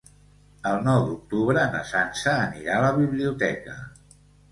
El nou d'octubre na Sança anirà a la biblioteca.